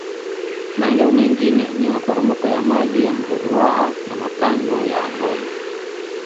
Maeneo mengine ni maporomoko ya Maji ya Mto Ruaha na Mapango ya Amboni